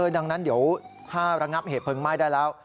ดังนั้นเดี๋ยวถ้าระงับเหตุเพลิงไหม้ได้แล้ว